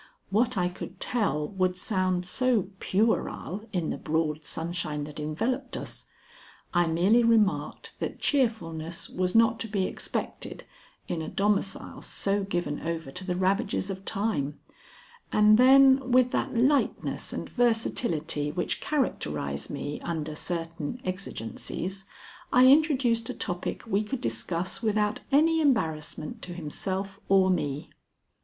What I could tell would sound so puerile in the broad sunshine that enveloped us. I merely remarked that cheerfulness was not to be expected in a domicile so given over to the ravages of time, and then with that lightness and versatility which characterize me under certain exigencies, I introduced a topic we could discuss without any embarrassment to himself or me.